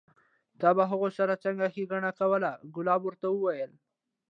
تا به هغو سره څنګه ښېګڼه کوله؟ کلاب ورته وویل: